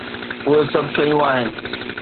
اهي سڀ شيون آهن.